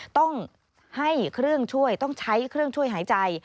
ต้องให้เครื่องช่วยต้องใช้เครื่องช่วยหายใจ